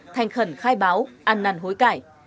thành khẩn khai báo ăn nằn hối cãi